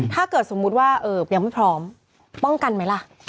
ถ้าเกิดสมมุติว่ายังไม่พร้อมป้องกันไหมล่ะ